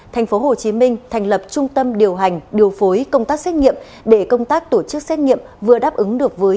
tp hcm thành lập trung tâm điều hành điều phối công tác xét nghiệm để công tác tổ chức xét nghiệm vừa đáp ứng được với